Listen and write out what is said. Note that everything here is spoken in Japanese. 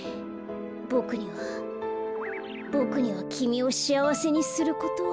ボクにはボクにはきみをしあわせにすることは。